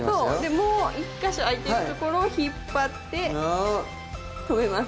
でもう一か所あいてるところを引っ張って留めます。